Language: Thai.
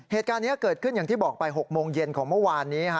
เหตุการณ์นี้เกิดขึ้นอย่างที่บอกไป๖โมงเย็นของเมื่อวานนี้